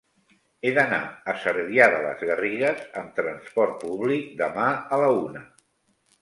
He d'anar a Cervià de les Garrigues amb trasport públic demà a la una.